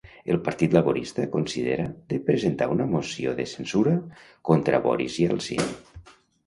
El Partit Laborista considera de presentar una moció de censura contra Boris Ieltsin.